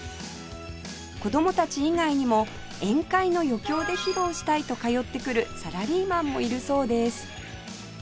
子供たち以外にも宴会の余興で披露したいと通ってくるサラリーマンもいるそうです